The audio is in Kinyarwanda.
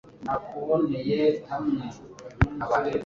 Guhanga igisingizo kuri imwe mu nsanganyamatsiko zatanzwe.